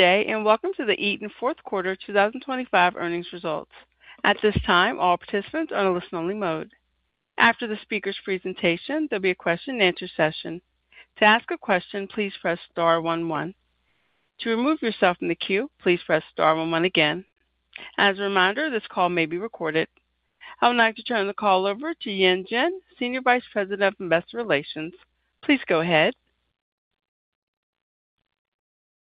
Good day and welcome to the Eaton fourth quarter 2025 earnings results. At this time, all participants are in a listen-only mode. After the speaker's presentation, there'll be a question-and-answer session. To ask a question, please press star one one. To remove yourself from the queue, please press star one one again. As a reminder, this call may be recorded. I would like to turn the call over to Yan Jin, Senior Vice President of Investor Relations. Please go ahead.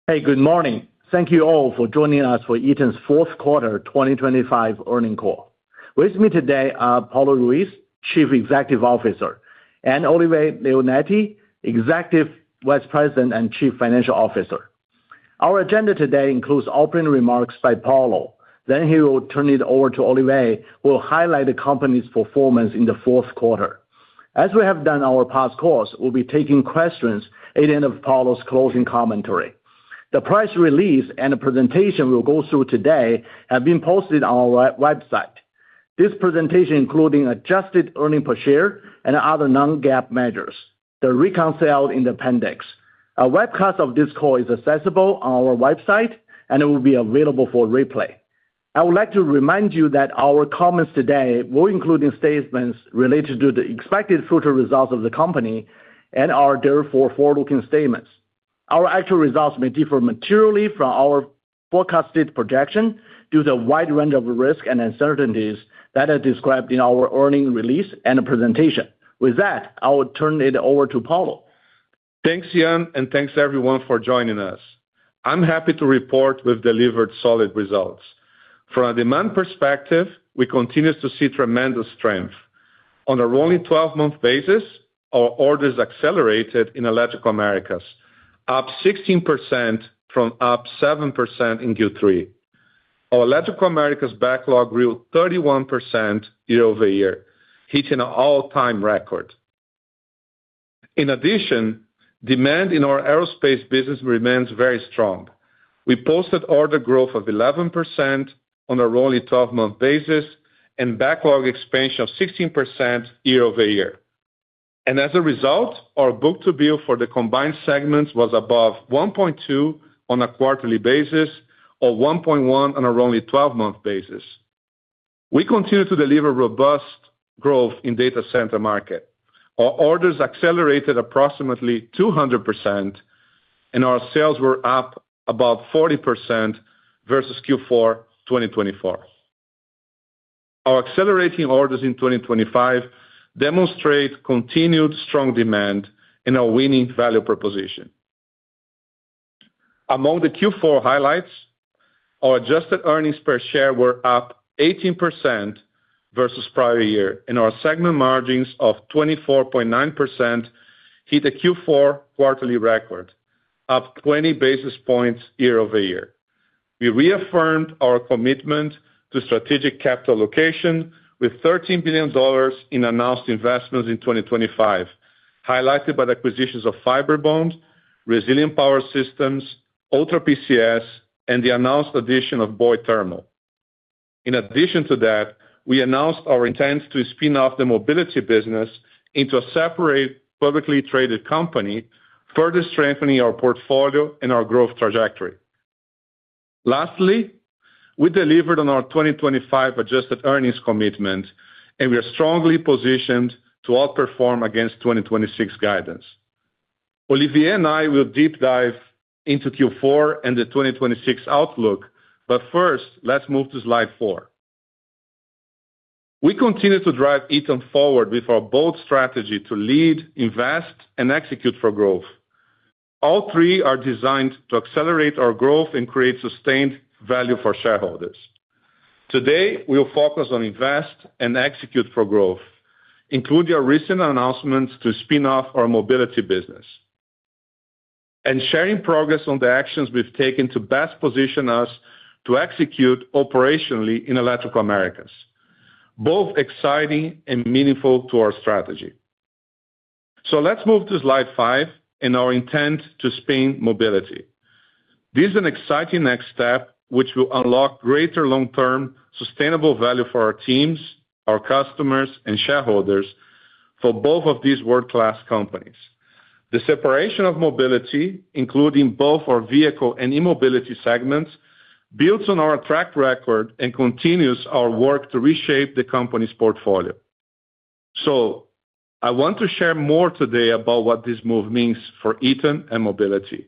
Hey, good morning. Thank you all for joining us for Eaton's fourth quarter 2025 earnings call. With me today are Paulo Ruiz, Chief Executive Officer, and Olivier Leonetti, Executive Vice President and Chief Financial Officer. Our agenda today includes opening remarks by Paulo, then he will turn it over to Olivier, who will highlight the company's performance in the fourth quarter. As we have done in past calls, we'll be taking questions at the end of Paulo's closing commentary. The press release and the presentation we'll go through today have been posted on our website. This presentation includes adjusted earnings per share and other non-GAAP measures, which are reconciled in the appendix. A webcast of this call is accessible on our website and it will be available for replay. I would like to remind you that our comments today will include statements related to the expected future results of the company and are therefore forward-looking statements. Our actual results may differ materially from our forecasted projection due to a wide range of risks and uncertainties that are described in our earnings release and presentation. With that, I will turn it over to Paulo. Thanks, Yan, and thanks everyone for joining us. I'm happy to report we've delivered solid results. From a demand perspective, we continue to see tremendous strength. On a roughly 12-month basis, our orders accelerated in Electrical Americas, up 16% from up 7% in Q3. Our Electrical Americas backlog grew 31% year-over-year, hitting an all-time record. In addition, demand in our Aerospace business remains very strong. We posted order growth of 11% on a roughly 12-month basis and backlog expansion of 16% year-over-year. And as a result, our book-to-bill for the combined segments was above 1.2 on a quarterly basis or 1.1 on a roughly 12-month basis. We continue to deliver robust growth in the data center market. Our orders accelerated approximately 200%, and our sales were up about 40% versus Q4 2024. Our accelerating orders in 2025 demonstrate continued strong demand and a winning value proposition. Among the Q4 highlights, our adjusted earnings per share were up 18% versus prior year, and our segment margins of 24.9% hit a Q4 quarterly record, up 20 basis points year-over-year. We reaffirmed our commitment to strategic capital allocation with $13 billion in announced investments in 2025, highlighted by the acquisitions of Fibrebond, Resilient Power Systems, Ultra PCS, and the announced addition of Boyd Thermal. In addition to that, we announced our intent to spin off the Mobility business into a separate publicly traded company, further strengthening our portfolio and our growth trajectory. Lastly, we delivered on our 2025 adjusted earnings commitment, and we are strongly positioned to outperform against 2026 guidance. Olivier and I will deep dive into Q4 and the 2026 outlook, but first, let's move to slide four. We continue to drive Eaton forward with our bold strategy to lead, invest, and execute for growth. All three are designed to accelerate our growth and create sustained value for shareholders. Today, we will focus on invest and execute for growth, including our recent announcements to spin off our Mobility business, and sharing progress on the actions we've taken to best position us to execute operationally in Electrical Americas, both exciting and meaningful to our strategy. So let's move to slide five and our intent to spin Mobility. This is an exciting next step which will unlock greater long-term sustainable value for our teams, our customers, and shareholders for both of these world-class companies. The separation of Mobility, including both our vehicle and eMobility segments, builds on our track record and continues our work to reshape the company's portfolio. So I want to share more today about what this move means for Eaton and Mobility.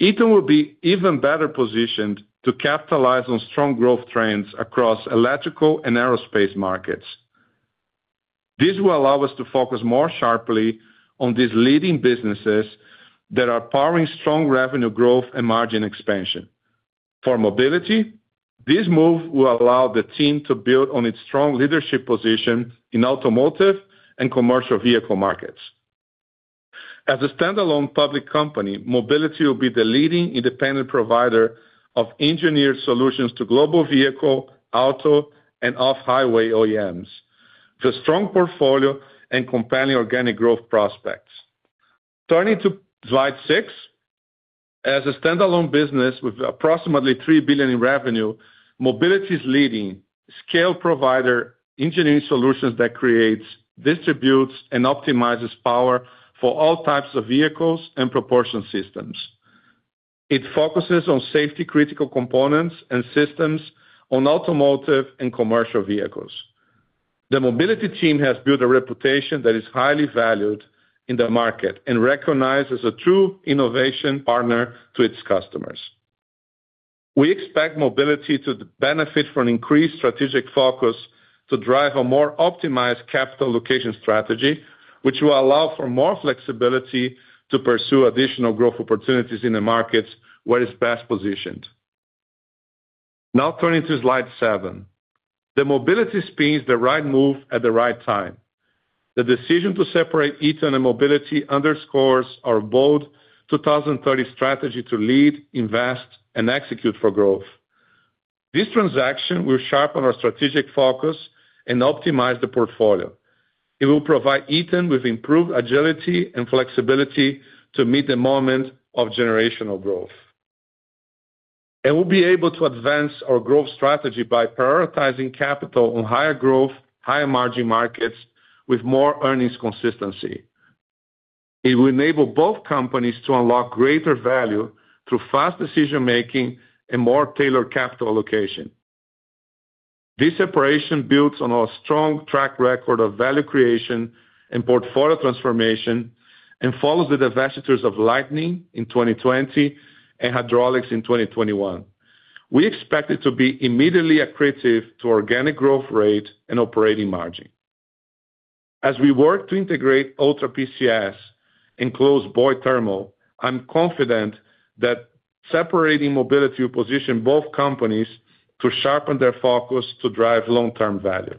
Eaton will be even better positioned to capitalize on strong growth trends across electrical and Aerospace markets. This will allow us to focus more sharply on these leading businesses that are powering strong revenue growth and margin expansion. For Mobility, this move will allow the team to build on its strong leadership position in automotive and commercial vehicle markets. As a standalone public company, Mobility will be the leading independent provider of engineered solutions to global vehicle, auto, and off-highway OEMs, with a strong portfolio and compelling organic growth prospects. Turning to slide six, as a standalone business with approximately $3 billion in revenue, Mobility is a leading scale provider of engineering solutions that creates, distributes, and optimizes power for all types of vehicles and propulsion systems. It focuses on safety-critical components and systems on automotive and commercial vehicles. The Mobility team has built a reputation that is highly valued in the market and recognized as a true innovation partner to its customers. We expect Mobility to benefit from increased strategic focus to drive a more optimized capital allocation strategy, which will allow for more flexibility to pursue additional growth opportunities in the markets where it's best positioned. Now turning to slide seven. The Mobility spin is the right move at the right time. The decision to separate Eaton and Mobility underscores our bold 2030 strategy to lead, invest, and execute for growth. This transaction will sharpen our strategic focus and optimize the portfolio. It will provide Eaton with improved agility and flexibility to meet the moment of generational growth, and we'll be able to advance our growth strategy by prioritizing capital on higher growth, higher margin markets with more earnings consistency. It will enable both companies to unlock greater value through fast decision-making and more tailored capital allocation. This separation builds on our strong track record of value creation and portfolio transformation and follows the divestitures of Lighting in 2020 and Hydraulics in 2021. We expect it to be immediately accretive to organic growth rate and operating margin. As we work to integrate Ultra PCS and close Boyd Thermal, I'm confident that separating Mobility will position both companies to sharpen their focus to drive long-term value.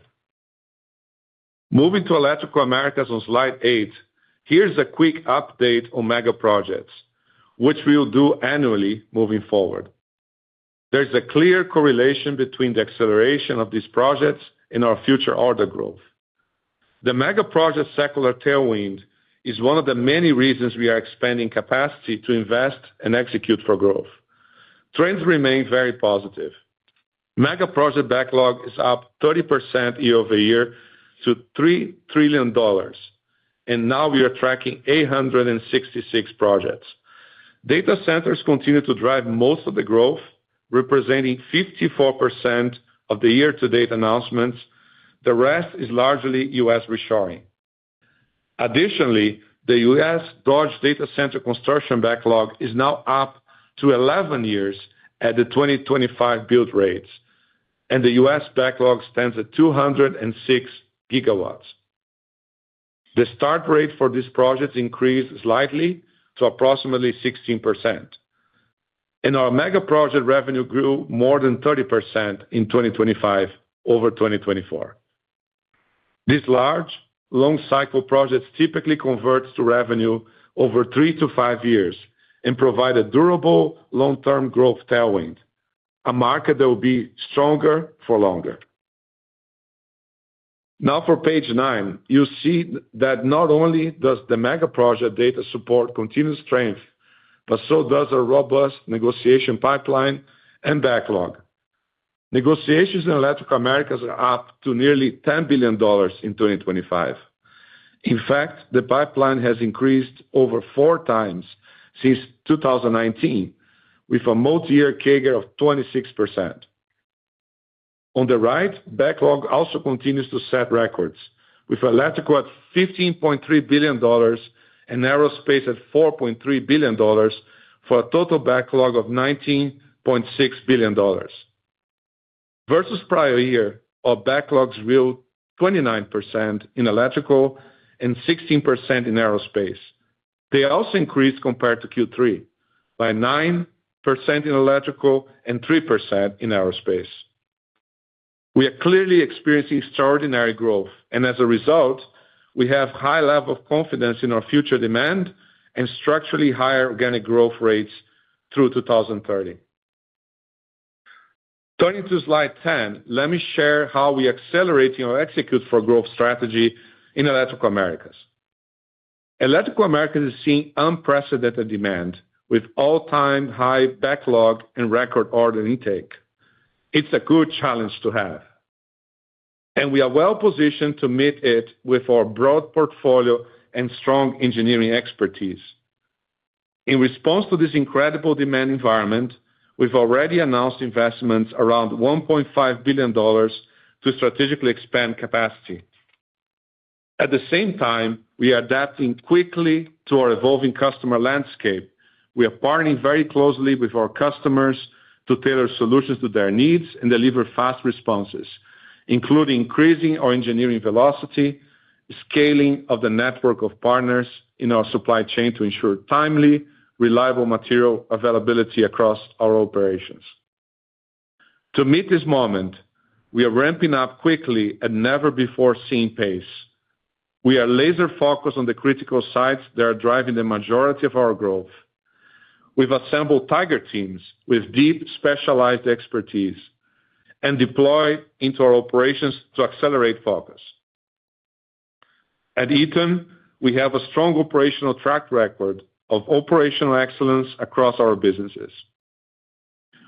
Moving to Electrical Americas on slide eight, here's a quick update on megaprojects, which we will do annually moving forward. There's a clear correlation between the acceleration of these projects and our future order growth. The megaproject secular tailwind is one of the many reasons we are expanding capacity to invest and execute for growth. Trends remain very positive. Megaproject backlog is up 30% year-over-year to $3 trillion, and now we are tracking 866 projects. Data centers continue to drive most of the growth, representing 54% of the year-to-date announcements. The rest is largely U.S. reshoring. Additionally, the U.S. Dodge data center construction backlog is now up to 11 years at the 2025 build rates, and the U.S. backlog stands at 206 GW. The start rate for these projects increased slightly to approximately 16%, and our megaproject revenue grew more than 30% in 2025 over 2024. This large, long-cycle project typically converts to revenue over three to five years and provides a durable long-term growth tailwind, a market that will be stronger for longer. Now for page nine, you'll see that not only does the megaproject data support continued strength, but so does our robust negotiation pipeline and backlog. Orders in Electrical Americas are up to nearly $10 billion in 2025. In fact, the pipeline has increased over 4x since 2019, with a multi-year CAGR of 26%. On the right, backlog also continues to set records, with Electrical at $15.3 billion and Aerospace at $4.3 billion for a total backlog of $19.6 billion. Versus prior year, our backlogs grew 29% in Electrical and 16% in Aerospace. They also increased compared to Q3 by 9% in Electrical and 3% in Aerospace. We are clearly experiencing extraordinary growth, and as a result, we have a high level of confidence in our future demand and structurally higher organic growth rates through 2030. Turning to slide 10, let me share how we are accelerating our execute-for-growth strategy in Electrical Americas. Electrical Americas is seeing unprecedented demand with all-time high backlog and record order intake. It's a good challenge to have, and we are well positioned to meet it with our broad portfolio and strong engineering expertise. In response to this incredible demand environment, we've already announced investments around $1.5 billion to strategically expand capacity. At the same time, we are adapting quickly to our evolving customer landscape. We are partnering very closely with our customers to tailor solutions to their needs and deliver fast responses, including increasing our engineering velocity, scaling of the network of partners in our supply chain to ensure timely, reliable material availability across our operations. To meet this moment, we are ramping up quickly at a never-before-seen pace. We are laser-focused on the critical sites that are driving the majority of our growth. We've assembled Tiger teams with deep, specialized expertise and deployed into our operations to accelerate focus. At Eaton, we have a strong operational track record of operational excellence across our businesses.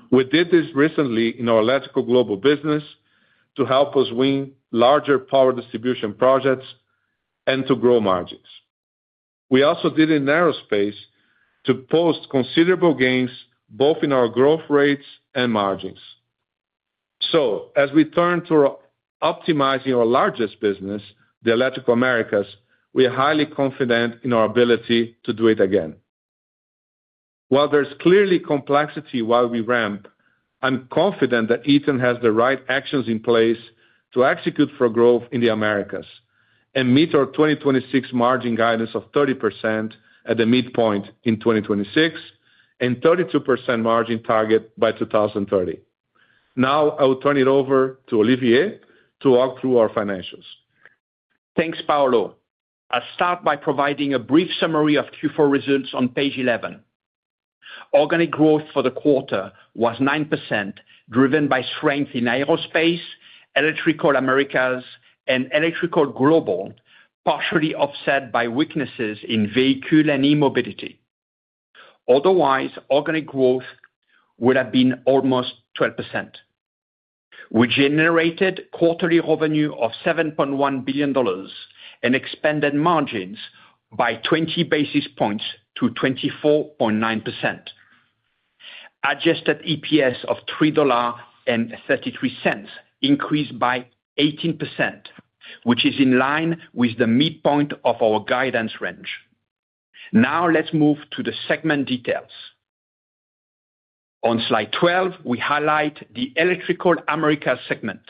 We did this recently in our Electrical Global business to help us win larger power distribution projects and to grow margins. We also did in Aerospace to post considerable gains both in our growth rates and margins. As we turn to optimizing our largest business, the Electrical Americas, we are highly confident in our ability to do it again. While there's clearly complexity while we ramp, I'm confident that Eaton has the right actions in place to execute for growth in the Americas and meet our 2026 margin guidance of 30% at the midpoint in 2026 and a 32% margin target by 2030. Now I will turn it over to Olivier to walk through our financials. Thanks, Paulo. I'll start by providing a brief summary of Q4 results on page 11. Organic growth for the quarter was 9%, driven by strength in Aerospace, Electrical Americas, and Electrical Global, partially offset by weaknesses in vehicle and eMobility. Otherwise, organic growth would have been almost 12%. We generated quarterly revenue of $7.1 billion and expanded margins by 20 basis points to 24.9%. Adjusted EPS of $3.33 increased by 18%, which is in line with the midpoint of our guidance range. Now let's move to the segment details. On slide 12, we highlight the Electrical Americas segment.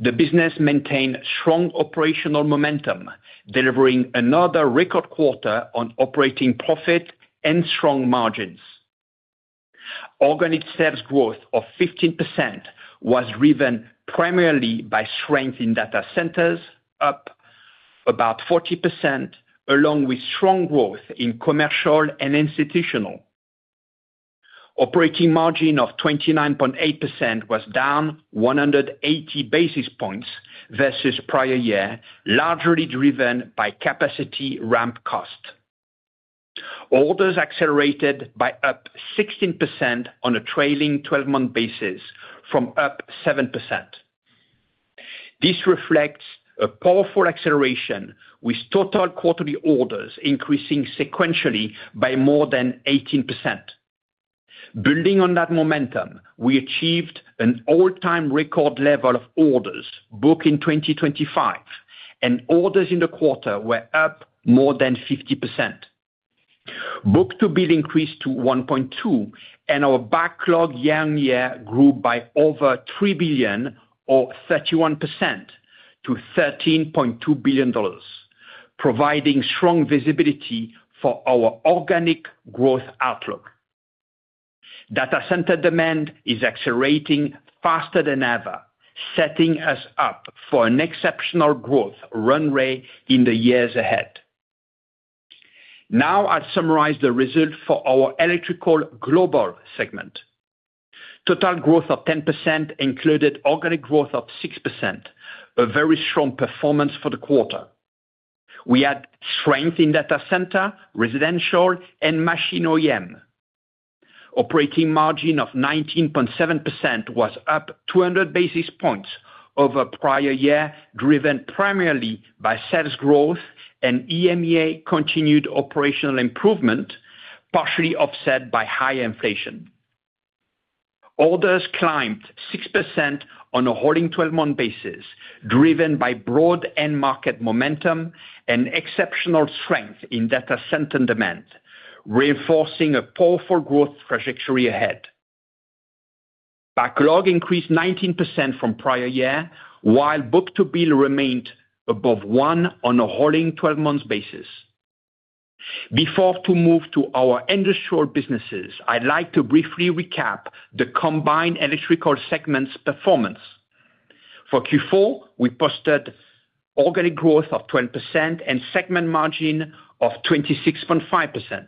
The business maintained strong operational momentum, delivering another record quarter on operating profit and strong margins. Organic sales growth of 15% was driven primarily by strength in data centers, up about 40%, along with strong growth in commercial and institutional. Operating margin of 29.8% was down 180 basis points versus prior year, largely driven by capacity ramp cost. Orders accelerated by up 16% on a trailing 12-month basis from up 7%. This reflects a powerful acceleration, with total quarterly orders increasing sequentially by more than 18%. Building on that momentum, we achieved an all-time record level of orders booked in 2025, and orders in the quarter were up more than 50%. Book-to-bill increased to 1.2, and our backlog year-on-year grew by over $3 billion, or 31%, to $13.2 billion, providing strong visibility for our organic growth outlook. Data center demand is accelerating faster than ever, setting us up for an exceptional growth runway in the years ahead. Now I'll summarize the results for our Electrical Global segment. Total growth of 10% included organic growth of 6%, a very strong performance for the quarter. We had strength in data center, residential, and machine OEM. Operating margin of 19.7% was up 200 basis points over prior year, driven primarily by sales growth and EMEA continued operational improvement, partially offset by higher inflation. Orders climbed 6% on a rolling 12-month basis, driven by broad end market momentum and exceptional strength in data center demand, reinforcing a powerful growth trajectory ahead. Backlog increased 19% from prior year, while book-to-bill remained above one on a rolling 12-month basis. Before moving to our underserved businesses, I'd like to briefly recap the combined electrical segments' performance. For Q4, we posted organic growth of 12% and segment margin of 26.5%.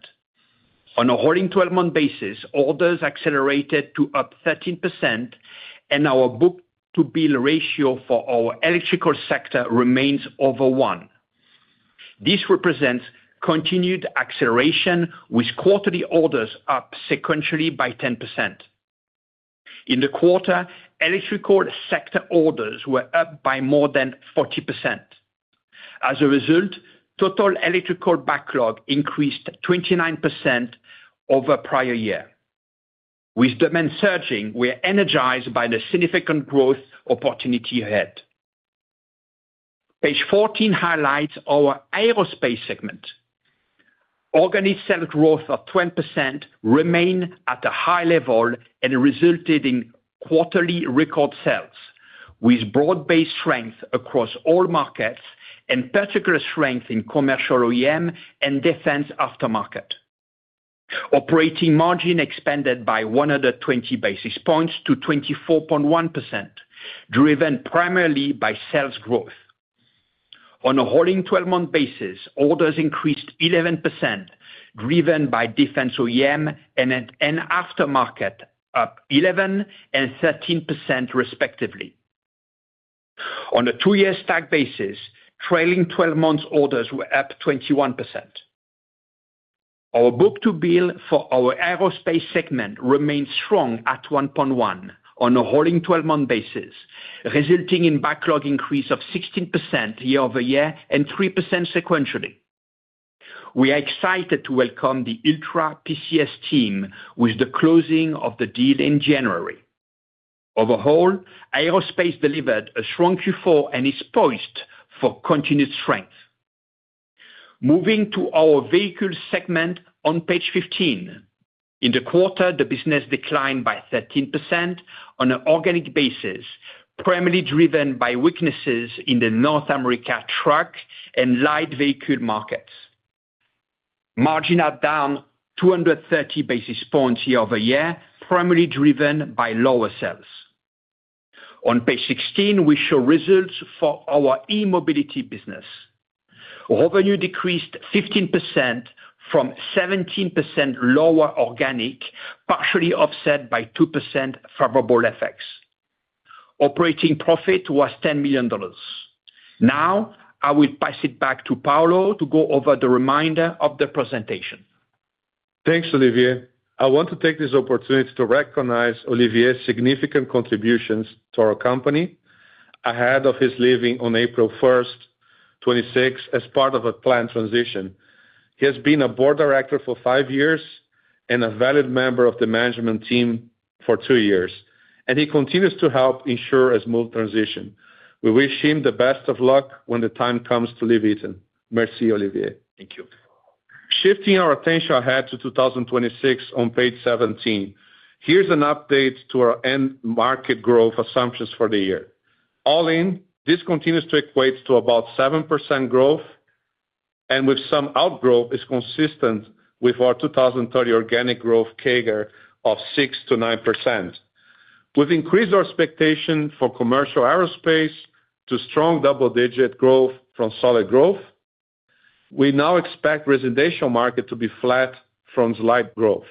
On a rolling 12-month basis, orders accelerated to up 13%, and our book-to-bill ratio for our electrical sector remains over one. This represents continued acceleration, with quarterly orders up sequentially by 10%. In the quarter, electrical sector orders were up by more than 40%. As a result, total electrical backlog increased 29% over prior year. With demand surging, we are energized by the significant growth opportunity ahead. Page 14 highlights our Aerospace segment. Organic sales growth of 12% remained at a high level and resulted in quarterly record sales, with broad-based strength across all markets and particular strength in commercial OEM and defense aftermarket. Operating margin expanded by 120 basis points to 24.1%, driven primarily by sales growth. On a rolling 12-month basis, orders increased 11%, driven by defense OEM and aftermarket, up 11% and 13% respectively. On a two-year stack basis, trailing 12-month orders were up 21%. Our book-to-bill for our Aerospace segment remained strong at 1.1 on a holding 12-month basis, resulting in backlog increase of 16% year-over-year and 3% sequentially. We are excited to welcome the Ultra PCS team with the closing of the deal in January. Overall, Aerospace delivered a strong Q4 and is poised for continued strength. Moving to our vehicle segment on page 15, in the quarter, the business declined by 13% on an organic basis, primarily driven by weaknesses in the North America truck and light vehicle markets, margin are down 230 basis points year-over-year, primarily driven by lower sales. On page 16, we show results for our eMobility business. Revenue decreased 15% from 17% lower organic, partially offset by 2% favorable effects. Operating profit was $10 million. Now I will pass it back to Paulo to go over the remainder of the presentation. Thanks, Olivier. I want to take this opportunity to recognize Olivier's significant contributions to our company ahead of his leaving on April 1st, 2026, as part of a planned transition. He has been a board director for five years and a valued member of the management team for two years, and he continues to help ensure a smooth transition. We wish him the best of luck when the time comes to leave Eaton. Merci, Olivier. Thank you. Shifting our attention ahead to 2026 on page 17, here's an update to our end market growth assumptions for the year. All in, this continues to equate to about 7% growth, and with some outgrowth, it's consistent with our 2030 organic growth CAGR of 6%-9%. We've increased our expectation for commercial Aerospace to strong double-digit growth from solid growth. We now expect residential market to be flat from slight growth.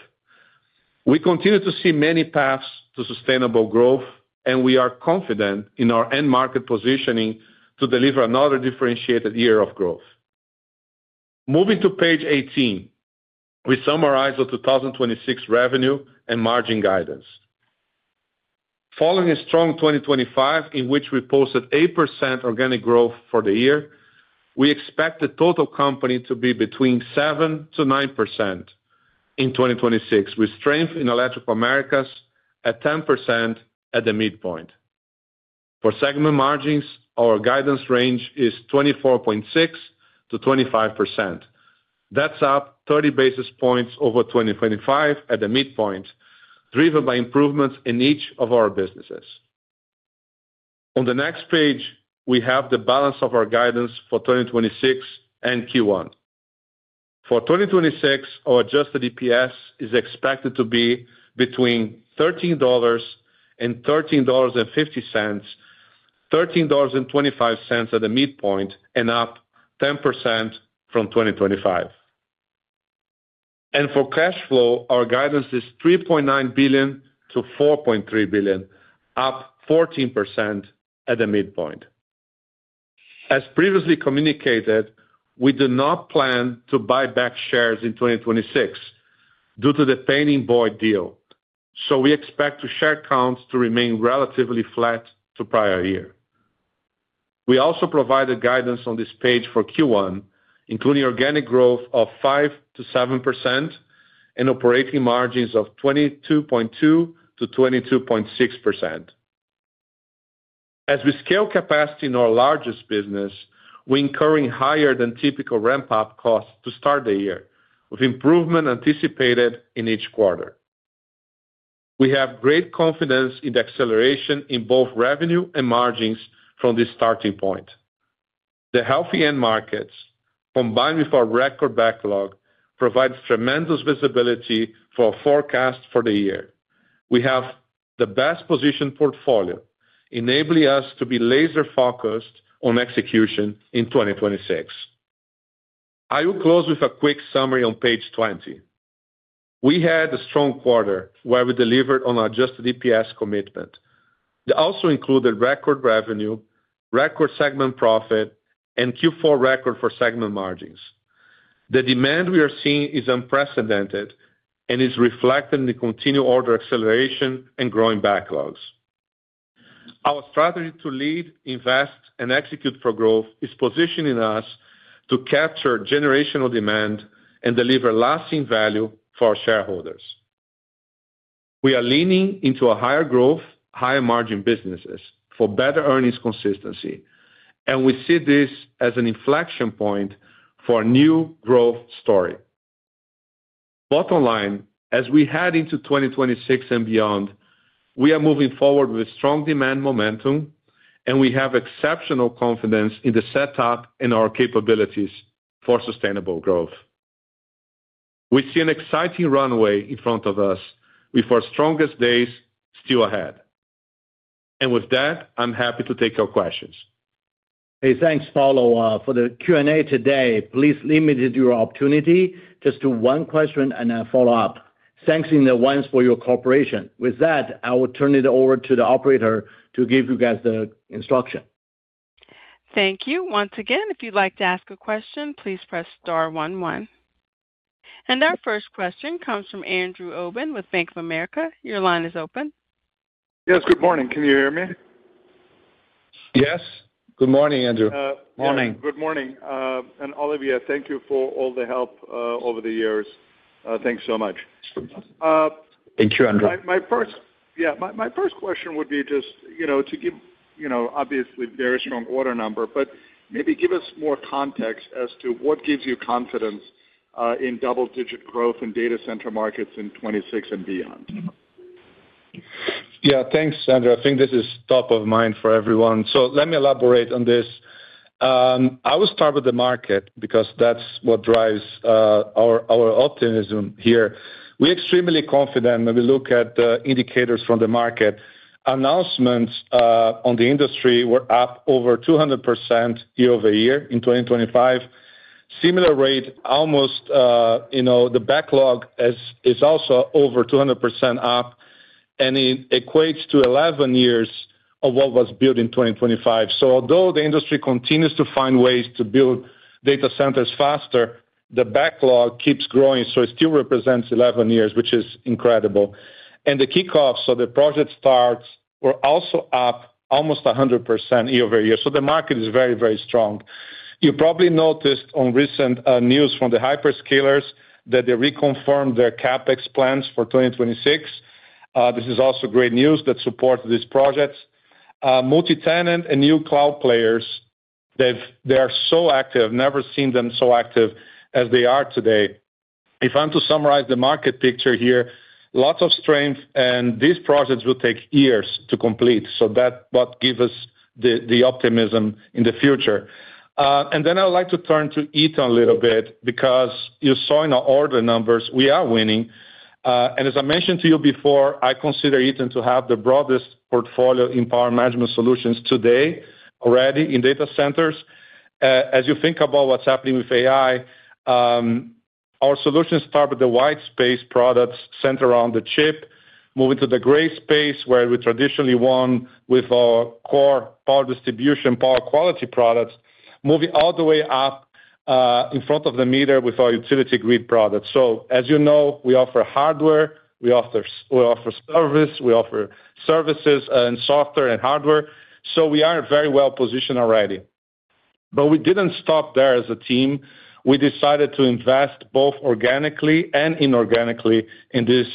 We continue to see many paths to sustainable growth, and we are confident in our end market positioning to deliver another differentiated year of growth. Moving to page 18, we summarize our 2026 revenue and margin guidance. Following a strong 2025, in which we posted 8% organic growth for the year, we expect the total company to be between 7%-9% in 2026, with strength in Electrical Americas at 10% at the midpoint. For segment margins, our guidance range is 24.6%-25%. That's up 30 basis points over 2025 at the midpoint, driven by improvements in each of our businesses. On the next page, we have the balance of our guidance for 2026 and Q1. For 2026, our adjusted EPS is expected to be between $13 and $13.50, $13.25 at the midpoint, and up 10% from 2025. For cash flow, our guidance is $3.9 billion-$4.3 billion, up 14% at the midpoint. As previously communicated, we do not plan to buy back shares in 2026 due to the pending Boyd deal, so we expect the share count to remain relatively flat to prior year. We also provide guidance on this page for Q1, including organic growth of 5%-7% and operating margins of 22.2%-22.6%. As we scale capacity in our largest business, we're incurring higher than typical ramp-up costs to start the year, with improvement anticipated in each quarter. We have great confidence in the acceleration in both revenue and margins from this starting point. The healthy end markets, combined with our record backlog, provide tremendous visibility for our forecast for the year. We have the best positioned portfolio, enabling us to be laser-focused on execution in 2026. I will close with a quick summary on page 20. We had a strong quarter where we delivered on our adjusted EPS commitment. That also included record revenue, record segment profit, and Q4 record for segment margins. The demand we are seeing is unprecedented and is reflected in the continued order acceleration and growing backlogs. Our strategy to lead, invest, and execute for growth is positioning us to capture generational demand and deliver lasting value for our shareholders. We are leaning into higher growth, higher margin businesses for better earnings consistency, and we see this as an inflection point for a new growth story. Bottom line, as we head into 2026 and beyond, we are moving forward with strong demand momentum, and we have exceptional confidence in the setup and our capabilities for sustainable growth. We see an exciting runway in front of us with our strongest days still ahead. With that, I'm happy to take your questions. Hey, thanks, Paulo, for the Q&A today. Please limit your opportunity just to one question and a follow-up. Thanks in advance for your cooperation. With that, I will turn it over to the operator to give you guys the instruction. Thank you. Once again, if you'd like to ask a question, please press star one one. Our first question comes from Andrew Obin with Bank of America. Your line is open. Yes, good morning. Can you hear me? Yes. Good morning, Andrew. Morning. Good morning. Olivier, thank you for all the help over the years. Thanks so much. Thank you, Andrew. My first question would be just to give obviously a very strong order number, but maybe give us more context as to what gives you confidence in double-digit growth in data center markets in 2026 and beyond? Yeah, thanks, Andrew. I think this is top of mind for everyone. So let me elaborate on this. I will start with the market because that's what drives our optimism here. We're extremely confident when we look at the indicators from the market. Announcements on the industry were up over 200% year-over-year in 2025. Similar rate, almost the backlog is also over 200% up, and it equates to 11 years of what was built in 2025. So although the industry continues to find ways to build data centers faster, the backlog keeps growing, so it still represents 11 years, which is incredible. And the kickoff, so the project starts, were also up almost 100% year-over-year. So the market is very, very strong. You probably noticed on recent news from the hyperscalers that they reconfirmed their CapEx plans for 2026. This is also great news that supports these projects. Multitenant and new cloud players, they are so active. I've never seen them so active as they are today. If I'm to summarize the market picture here, lots of strength, and these projects will take years to complete. So that's what gives us the optimism in the future. And then I would like to turn to Eaton a little bit because you saw in our order numbers, we are winning. And as I mentioned to you before, I consider Eaton to have the broadest portfolio in power management solutions today already in data centers. As you think about what's happening with AI, our solutions start with the white space products centered around the chip, moving to the gray space where we traditionally won with our core power distribution, power quality products, moving all the way up in front of the meter with our utility grid products. So as you know, we offer hardware, we offer service, we offer services and software and hardware. So we are very well positioned already. But we didn't stop there as a team. We decided to invest both organically and inorganically in this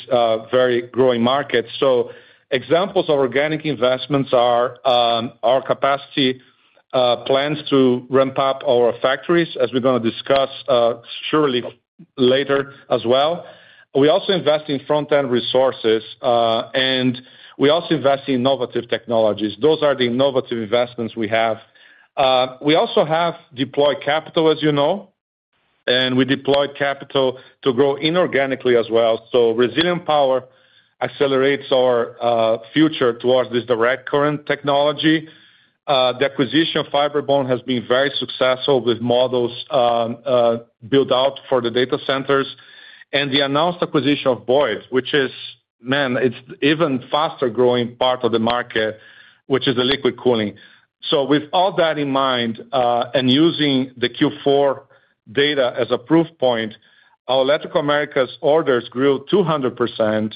very growing market. So examples of organic investments are our capacity plans to ramp up our factories, as we're going to discuss surely later as well. We also invest in front-end resources, and we also invest in innovative technologies. Those are the innovative investments we have. We also have deployed capital, as you know, and we deployed capital to grow inorganically as well. So Resilient Power accelerates our future towards this direct current technology. The acquisition of Fibrebond has been very successful with models built out for the data centers, and the announced acquisition of Boyd, which is, man, it's an even faster-growing part of the market, which is liquid cooling. So with all that in mind and using the Q4 data as a proof point, our Electrical Americas orders grew 200%,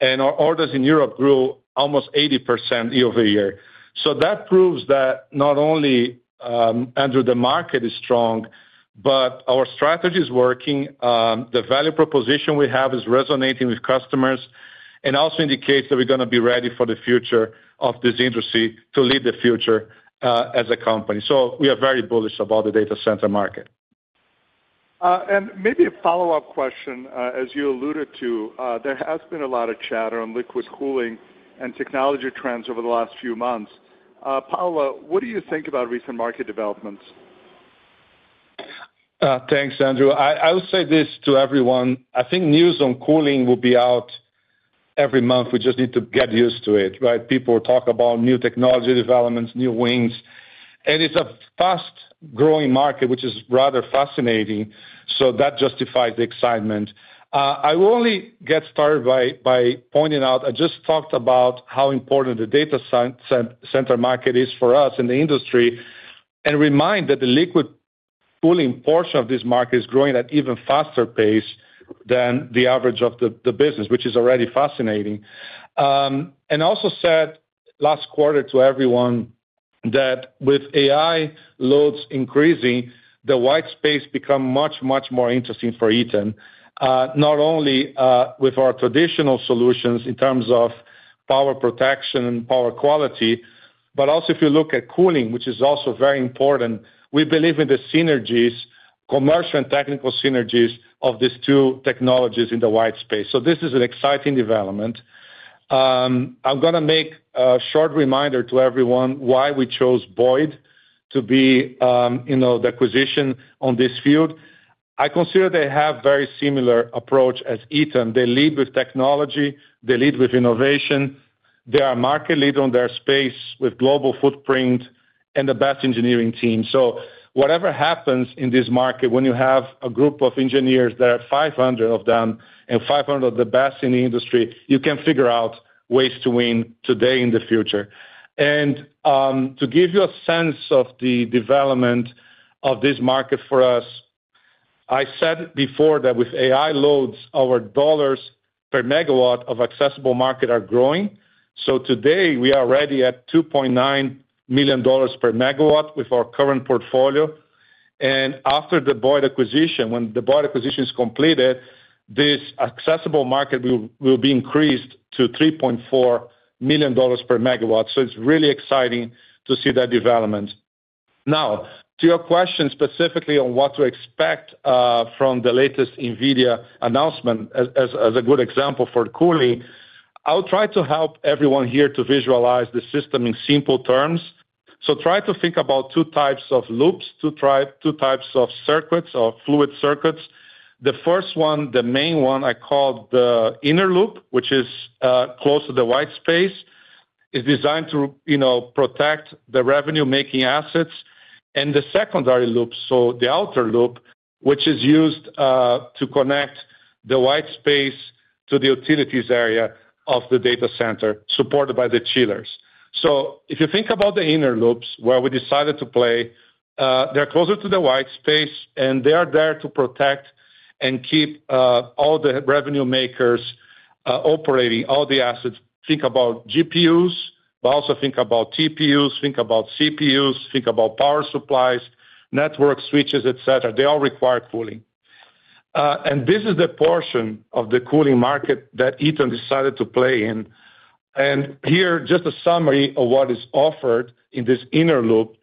and our orders in Europe grew almost 80% year-over-year. So that proves that not only, Andrew, the market is strong, but our strategy is working. The value proposition we have is resonating with customers and also indicates that we're going to be ready for the future of this industry to lead the future as a company. So we are very bullish about the data center market. Maybe a follow-up question. As you alluded to, there has been a lot of chatter on liquid cooling and technology trends over the last few months. Paulo, what do you think about recent market developments? Thanks, Andrew. I will say this to everyone. I think news on cooling will be out every month. We just need to get used to it, right? People talk about new technology developments, new wings. It's a fast-growing market, which is rather fascinating. That justifies the excitement. I will only get started by pointing out I just talked about how important the data center market is for us and the industry and remind that the liquid cooling portion of this market is growing at an even faster pace than the average of the business, which is already fascinating. Also said last quarter to everyone that with AI loads increasing, the white space becomes much, much more interesting for Eaton, not only with our traditional solutions in terms of power protection and power quality, but also if you look at cooling, which is also very important, we believe in the synergies, commercial and technical synergies of these two technologies in the white space. So this is an exciting development. I'm going to make a short reminder to everyone why we chose Boyd to be the acquisition on this field. I consider they have a very similar approach as Eaton. They lead with technology. They lead with innovation. They are market leaders in their space with a global footprint and the best engineering team. So whatever happens in this market, when you have a group of engineers, there are 500 of them and 500 of the best in the industry, you can figure out ways to win today in the future. And to give you a sense of the development of this market for us, I said before that with AI loads, our dollars per megawatt of accessible market are growing. So today, we are already at $2.9 million per megawatt with our current portfolio. And after the Boyd acquisition, when the Boyd acquisition is completed, this accessible market will be increased to $3.4 million per megawatt. So it's really exciting to see that development. Now, to your question specifically on what to expect from the latest NVIDIA announcement as a good example for cooling, I'll try to help everyone here to visualize the system in simple terms. So try to think about two types of loops, two types of circuits or fluid circuits. The first one, the main one I called the inner loop, which is close to the white space, is designed to protect the revenue-making assets. And the secondary loop, so the outer loop, which is used to connect the white space to the utilities area of the data center supported by the chillers. So if you think about the inner loops where we decided to play, they're closer to the white space, and they are there to protect and keep all the revenue makers operating, all the assets. Think about GPUs, but also think about TPUs, think about CPUs, think about power supplies, network switches, etc. They all require cooling. And this is the portion of the cooling market that Eaton decided to play in. And here, just a summary of what is offered in this inner loop.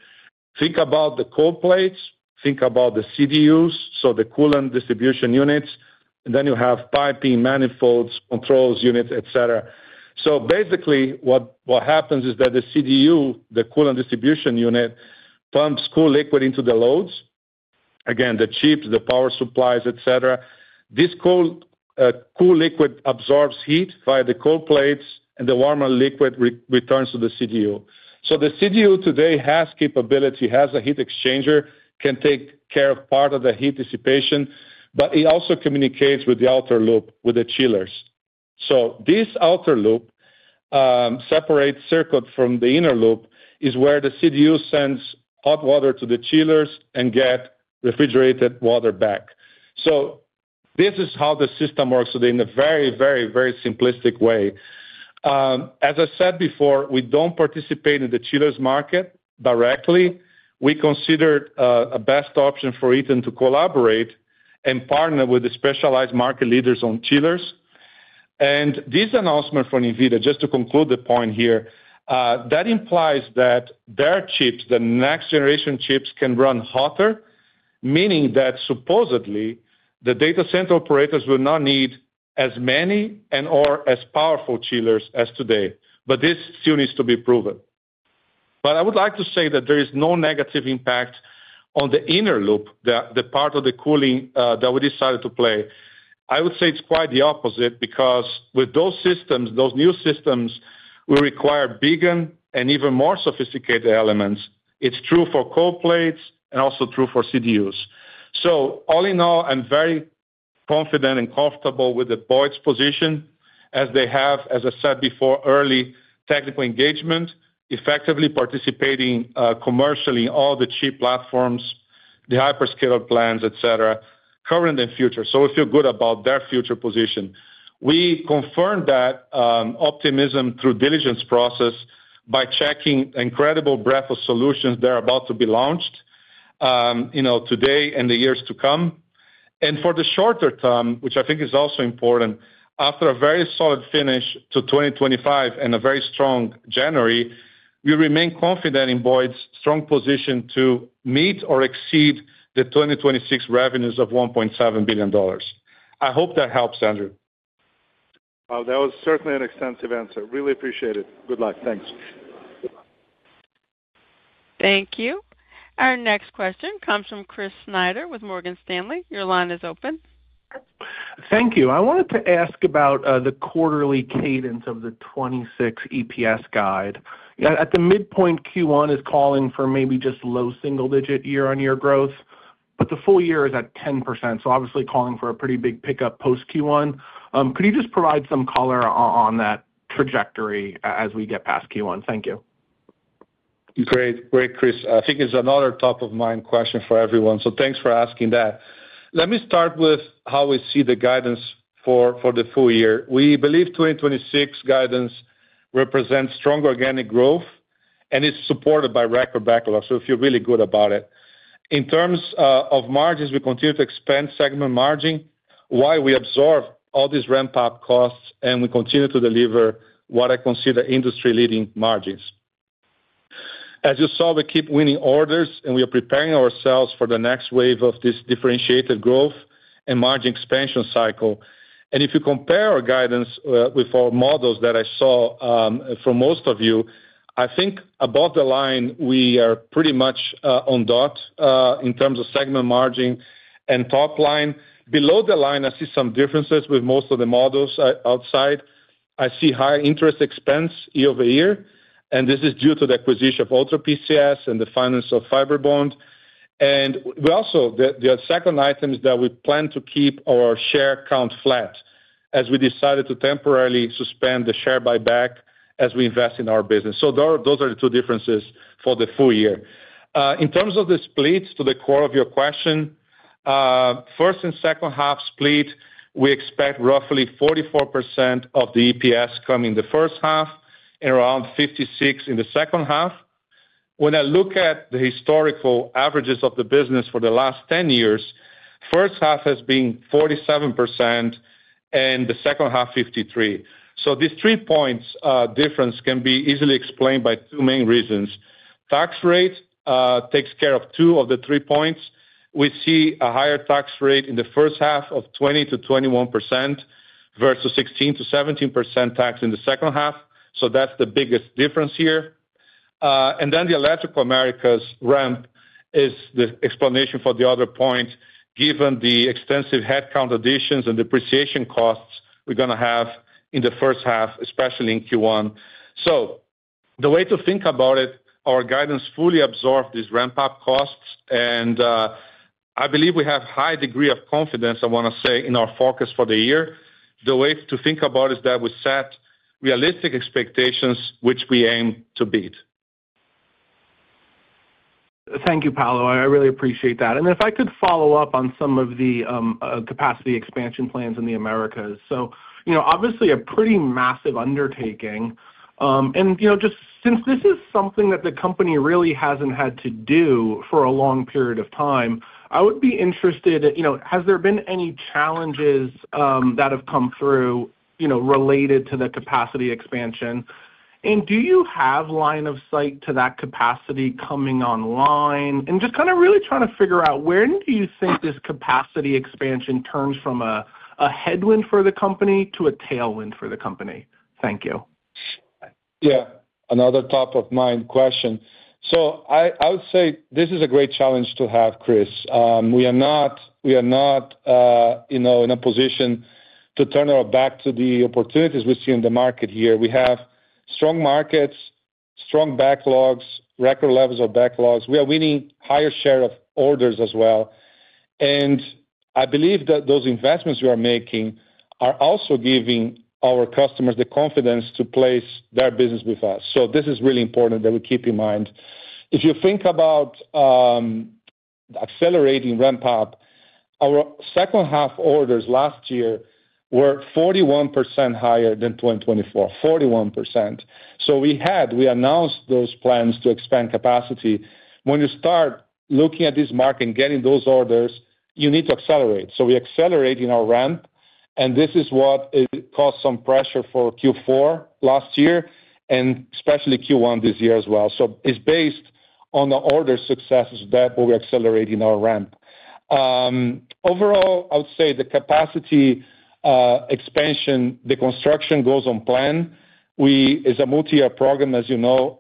Think about the cold plates. Think about the CDUs, so the coolant distribution units. And then you have piping, manifolds, controls units, etc. So basically, what happens is that the CDU, the coolant distribution unit, pumps cool liquid into the loads. Again, the chips, the power supplies, etc. This cool liquid absorbs heat via the cold plates, and the warmer liquid returns to the CDU. So the CDU today has capability, has a heat exchanger, can take care of part of the heat dissipation, but it also communicates with the outer loop, with the chillers. So this outer loop, separated circuit from the inner loop, is where the CDU sends hot water to the chillers and gets refrigerated water back. So this is how the system works today in a very, very, very simplistic way. As I said before, we don't participate in the chillers' market directly. We considered a best option for Eaton to collaborate and partner with the specialized market leaders on chillers. And this announcement from NVIDIA, just to conclude the point here, that implies that their chips, the next-generation chips, can run hotter, meaning that supposedly, the data center operators will not need as many and/or as powerful chillers as today. But this still needs to be proven. But I would like to say that there is no negative impact on the inner loop, the part of the cooling that we decided to play. I would say it's quite the opposite because with those systems, those new systems, we require bigger and even more sophisticated elements. It's true for cold plates and also true for CDUs. So all in all, I'm very confident and comfortable with Boyd's position as they have, as I said before, early technical engagement, effectively participating commercially in all the chip platforms, the hyperscaler plans, etc., current and future. So we feel good about their future position. We confirmed that optimism through diligence process by checking an incredible breadth of solutions that are about to be launched today and the years to come. And for the shorter term, which I think is also important, after a very solid finish to 2025 and a very strong January, we remain confident in Boyd's strong position to meet or exceed the 2026 revenues of $1.7 billion. I hope that helps, Andrew. Wow, that was certainly an extensive answer. Really appreciate it. Good luck. Thanks. Thank you. Our next question comes from Chris Snyder with Morgan Stanley. Your line is open. Thank you. I wanted to ask about the quarterly cadence of the 2026 EPS guide. At the midpoint, Q1 is calling for maybe just low single-digit year-on-year growth, but the full year is at 10%. So obviously, calling for a pretty big pickup post-Q1. Could you just provide some color on that trajectory as we get past Q1? Thank you. Great. Great, Chris. I think it's another top-of-mind question for everyone. So thanks for asking that. Let me start with how we see the guidance for the full year. We believe 2026 guidance represents strong organic growth, and it's supported by record backlog. So if you're really good about it. In terms of margins, we continue to expand segment margin, while we absorb all these ramp-up costs, and we continue to deliver what I consider industry-leading margins. As you saw, we keep winning orders, and we are preparing ourselves for the next wave of this differentiated growth and margin expansion cycle. And if you compare our guidance with our models that I saw from most of you, I think above the line, we are pretty much on the dot in terms of segment margin and top line. Below the line, I see some differences with most of the models outside. I see higher interest expense year over year. This is due to the acquisition of Ultra PCS and the finance of Fibrebond. Also, the second item is that we plan to keep our share count flat as we decided to temporarily suspend the share buyback as we invest in our business. Those are the two differences for the full year. In terms of the split, to the core of your question, first and second-half split, we expect roughly 44% of the EPS coming in the first half and around 56% in the second half. When I look at the historical averages of the business for the last 10 years, first half has been 47% and the second half, 53%. These three-points difference can be easily explained by two main reasons. Tax rate takes care of two of the three points. We see a higher tax rate in the first half of 20%-21% versus 16%-17% tax in the second half. So that's the biggest difference here. And then the Electrical Americas' ramp is the explanation for the other point. Given the extensive headcount additions and depreciation costs we're going to have in the first half, especially in Q1. So the way to think about it, our guidance fully absorbs these ramp-up costs. And I believe we have a high degree of confidence, I want to say, in our focus for the year. The way to think about it is that we set realistic expectations, which we aim to beat. Thank you, Paulo. I really appreciate that. If I could follow up on some of the capacity expansion plans in the Americas. Obviously, a pretty massive undertaking. Just since this is something that the company really hasn't had to do for a long period of time, I would be interested in, has there been any challenges that have come through related to the capacity expansion? Do you have line of sight to that capacity coming online? Just kind of really trying to figure out, when do you think this capacity expansion turns from a headwind for the company to a tailwind for the company? Thank you. Yeah. Another top-of-mind question. So I would say this is a great challenge to have, Chris. We are not in a position to turn our back to the opportunities we see in the market here. We have strong markets, strong backlogs, record levels of backlogs. We are winning a higher share of orders as well. And I believe that those investments we are making are also giving our customers the confidence to place their business with us. So this is really important that we keep in mind. If you think about accelerating ramp-up, our second-half orders last year were 41% higher than 2024, 41%. So we announced those plans to expand capacity. When you start looking at this market and getting those orders, you need to accelerate. So we accelerate in our ramp. This is what caused some pressure for Q4 last year and especially Q1 this year as well. It's based on the order successes that we're accelerating our ramp. Overall, I would say the capacity expansion, the construction goes on plan. It's a multi-year program, as you know.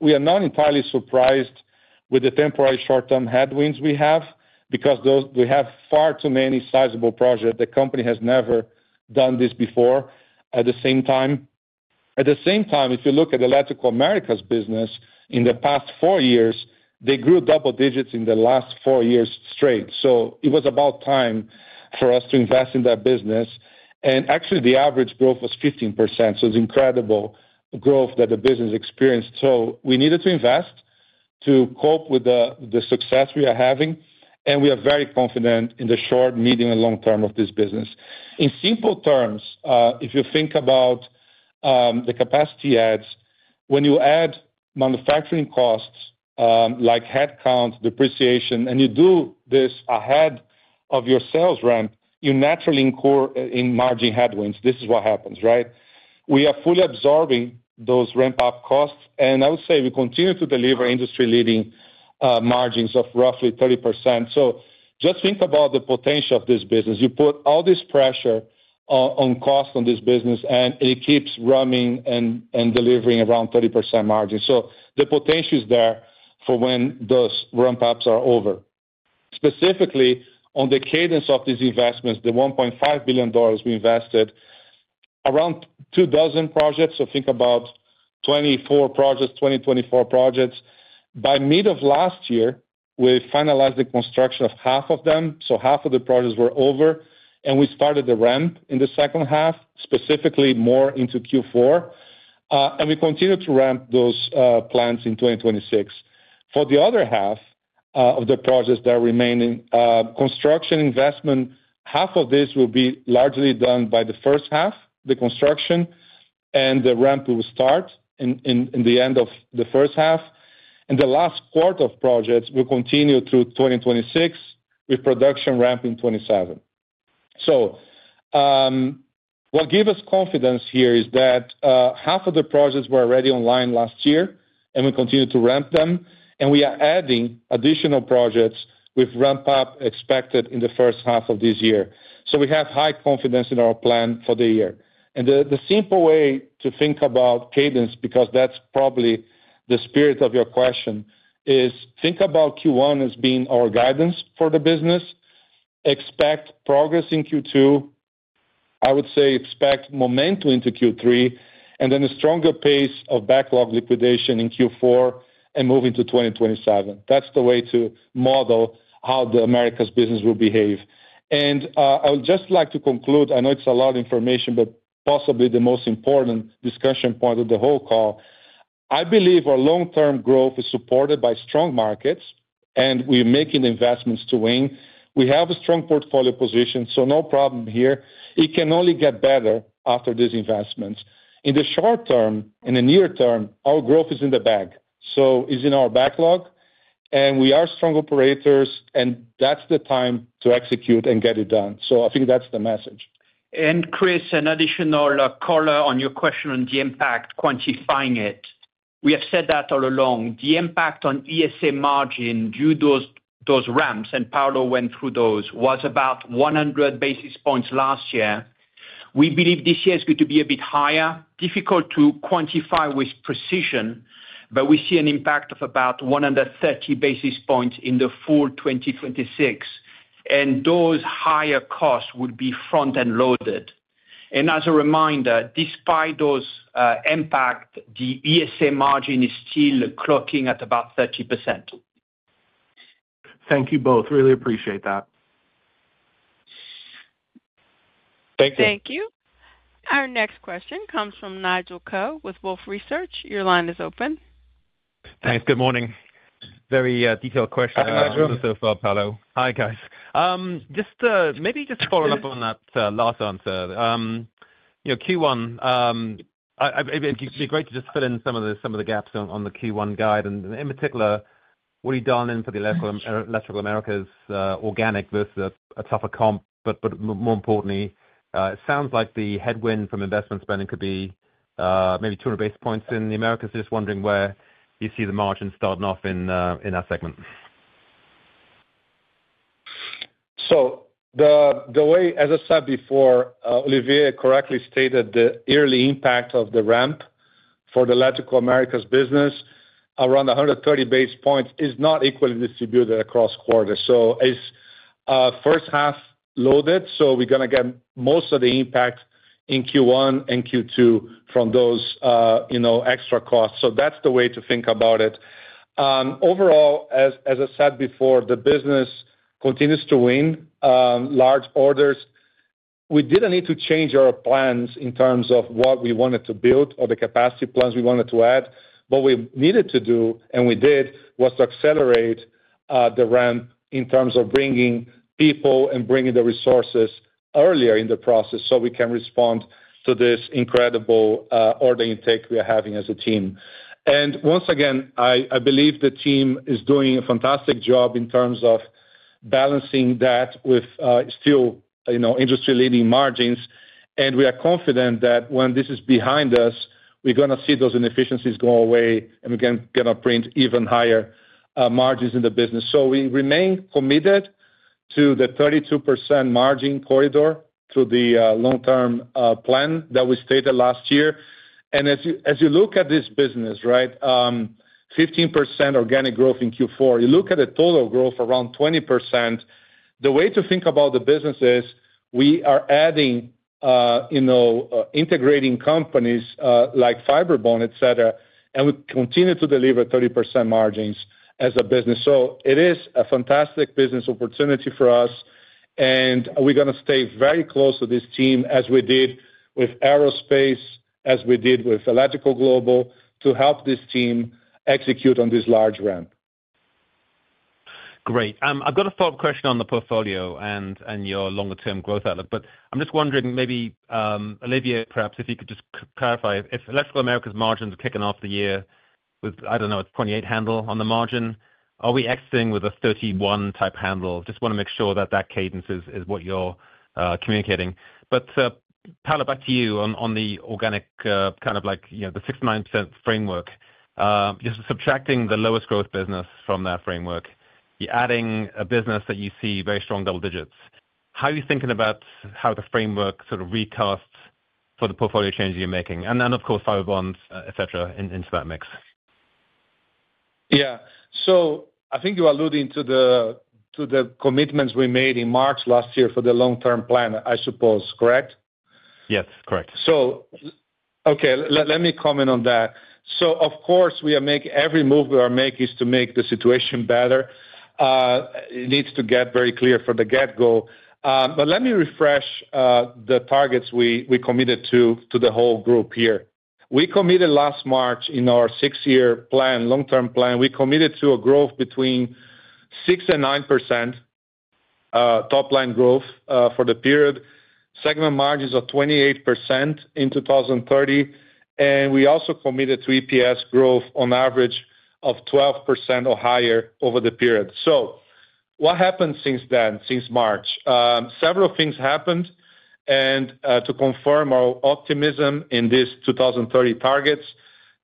We are not entirely surprised with the temporary short-term headwinds we have because we have far too many sizable projects. The company has never done this before at the same time. At the same time, if you look at Electrical Americas' business in the past four years, they grew double digits in the last four years straight. It was about time for us to invest in that business. Actually, the average growth was 15%. It's incredible growth that the business experienced. We needed to invest to cope with the success we are having. We are very confident in the short, medium, and long term of this business. In simple terms, if you think about the capacity adds, when you add manufacturing costs like headcount, depreciation, and you do this ahead of your sales ramp, you naturally incur margin headwinds. This is what happens, right? We are fully absorbing those ramp-up costs. And I would say we continue to deliver industry-leading margins of roughly 30%. So just think about the potential of this business. You put all this pressure on cost on this business, and it keeps running and delivering around 30% margin. So the potential is there for when those ramp-ups are over. Specifically, on the cadence of these investments, the $1.5 billion we invested, around two dozen projects. So think about 24 projects, 2024 projects. By mid of last year, we finalized the construction of half of them. Half of the projects were over. We started the ramp in the second half, specifically more into Q4. We continue to ramp those plans in 2026. For the other half of the projects that remain, construction investment, half of this will be largely done by the first half, the construction, and the ramp will start in the end of the first half. The last quarter of projects will continue through 2026 with production ramping 2027. What gives us confidence here is that half of the projects were already online last year, and we continue to ramp them. We are adding additional projects with ramp-up expected in the first half of this year. We have high confidence in our plan for the year. The simple way to think about cadence, because that's probably the spirit of your question, is think about Q1 as being our guidance for the business. Expect progress in Q2. I would say expect momentum into Q3 and then a stronger pace of backlog liquidation in Q4 and moving to 2027. That's the way to model how the Americas business will behave. I would just like to conclude. I know it's a lot of information, but possibly the most important discussion point of the whole call. I believe our long-term growth is supported by strong markets, and we are making the investments to win. We have a strong portfolio position, so no problem here. It can only get better after these investments. In the short term and the near term, our growth is in the bag. So it's in our backlog. We are strong operators, and that's the time to execute and get it done. I think that's the message. Chris, an additional color on your question on the impact, quantifying it. We have said that all along. The impact on ESA margin due to those ramps, and Paulo went through those, was about 100 basis points last year. We believe this year is going to be a bit higher, difficult to quantify with precision, but we see an impact of about 130 basis points in the full 2026. Those higher costs will be front-end loaded. As a reminder, despite those impacts, the ESA margin is still clocking at about 30%. Thank you both. Really appreciate that. Thank you. Thank you. Our next question comes from Nigel Coe with Wolfe Research. Your line is open. Thanks. Good morning. Very detailed question so far, Paulo. Hi, guys. Maybe just following up on that last answer. Q1, it'd be great to just fill in some of the gaps on the Q1 guide. And in particular, what are you dialing in for the Electrical Americas organic versus a tougher comp? But more importantly, it sounds like the headwind from investment spending could be maybe 200 basis points in the Americas. Just wondering where you see the margin starting off in our segment. So the way, as I said before, Olivier correctly stated, the early impact of the ramp for the Electrical Americas' business around 130 basis points is not equally distributed across quarters. So it's first half loaded. So we're going to get most of the impact in Q1 and Q2 from those extra costs. So that's the way to think about it. Overall, as I said before, the business continues to win large orders. We didn't need to change our plans in terms of what we wanted to build or the capacity plans we wanted to add. What we needed to do, and we did, was to accelerate the ramp in terms of bringing people and bringing the resources earlier in the process so we can respond to this incredible order intake we are having as a team. Once again, I believe the team is doing a fantastic job in terms of balancing that with still industry-leading margins. We are confident that when this is behind us, we're going to see those inefficiencies go away, and we're going to print even higher margins in the business. We remain committed to the 32% margin corridor through the long-term plan that we stated last year. As you look at this business, right, 15% organic growth in Q4, you look at the total growth around 20%. The way to think about the business is we are adding, integrating companies like Fibrebond, etc., and we continue to deliver 30% margins as a business. It is a fantastic business opportunity for us. We're going to stay very close to this team as we did with Aerospace, as we did with Electrical Global to help this team execute on this large ramp. Great. I've got a follow-up question on the portfolio and your longer-term growth outlook. But I'm just wondering, maybe, Olivier, perhaps if you could just clarify, if Electrical Americas's margins are kicking off the year with, I don't know, a 28 handle on the margin, are we exiting with a 31-type handle? Just want to make sure that that cadence is what you're communicating. But Paulo, back to you on the organic kind of like the 6-9% framework. Just subtracting the lowest growth business from that framework, you're adding a business that you see very strong double digits. How are you thinking about how the framework sort of recasts for the portfolio changes you're making? And of course, Fibrebond, etc., into that mix. Yeah. So I think you alluded to the commitments we made in March last year for the long-term plan, I suppose, correct? Yes, correct. Okay. Let me comment on that. So of course, we are making every move we are making is to make the situation better. It needs to get very clear from the get-go. But let me refresh the targets we committed to the whole group here. We committed last March in our six-year plan, long-term plan, we committed to a growth between 6%-9% top-line growth for the period, segment margins of 28% in 2030. And we also committed to EPS growth on average of 12% or higher over the period. So what happened since then, since March? Several things happened. And to confirm our optimism in these 2030 targets,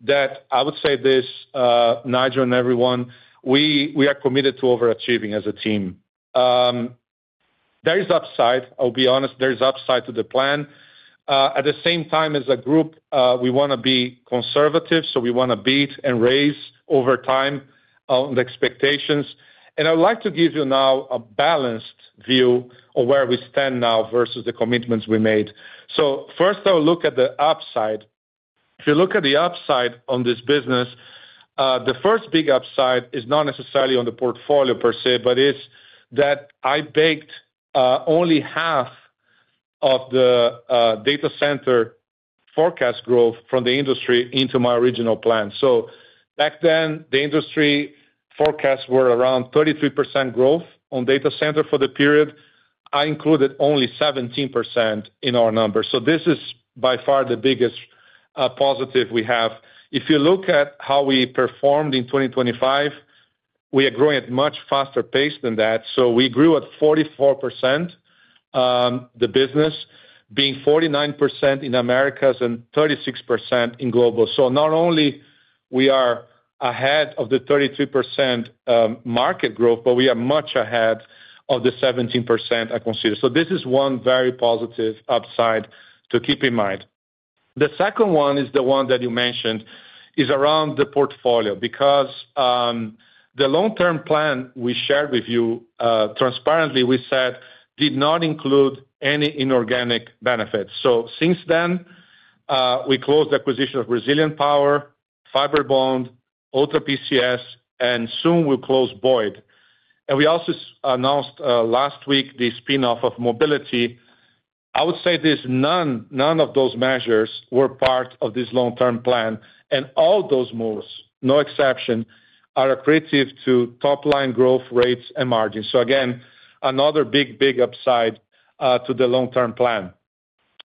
I would say this, Nigel and everyone, we are committed to overachieving as a team. There is upside. I'll be honest. There is upside to the plan. At the same time as a group, we want to be conservative. We want to beat and raise over time on the expectations. I would like to give you now a balanced view of where we stand now versus the commitments we made. First, I will look at the upside. If you look at the upside on this business, the first big upside is not necessarily on the portfolio per se, but it's that I baked only half of the data center forecast growth from the industry into my original plan. Back then, the industry forecasts were around 33% growth on data center for the period. I included only 17% in our numbers. This is by far the biggest positive we have. If you look at how we performed in 2025, we are growing at a much faster pace than that. We grew at 44%, the business being 49% in Americas and 36% in global. So not only are we ahead of the 33% market growth, but we are much ahead of the 17% I consider. So this is one very positive upside to keep in mind. The second one is the one that you mentioned is around the portfolio because the long-term plan we shared with you, transparently, we said, did not include any inorganic benefits. So since then, we closed the acquisition of Resilient Power, Fibrebond, Ultra PCS, and soon we'll close Boyd. And we also announced last week the spinoff of Mobility. I would say none of those measures were part of this long-term plan. And all those moves, no exception, are accretive to top-line growth rates and margins. So again, another big, big upside to the long-term plan.